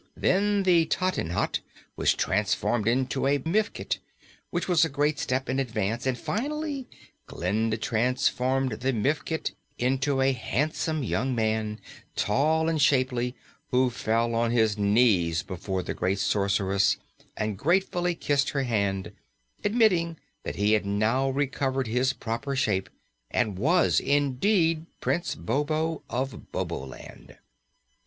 Then the tottenhot was transformed into a mifket, which was a great step in advance and, finally, Glinda transformed the mifket into a handsome young man, tall and shapely, who fell on his knees before the great Sorceress and gratefully kissed her hand, admitting that he had now recovered his proper shape and was indeed Prince Bobo of Boboland.